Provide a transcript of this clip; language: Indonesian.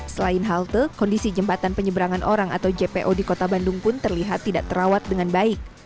selain halte kondisi jembatan penyeberangan orang atau jpo di kota bandung pun terlihat tidak terawat dengan baik